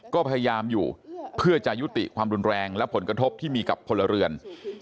ก็พยายามอยู่เพื่อจะยุติความรุนแรงและผลกระทบที่มีกับพลเรือน